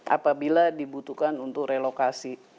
apabila dibutuhkan untuk relokasi